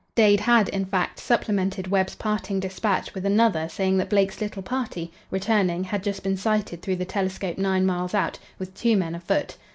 Dade had, in fact, supplemented Webb's parting despatch with another saying that Blake's little party, returning, had just been sighted through the telescope nine miles out, with two men afoot.